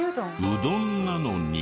うどんなのに。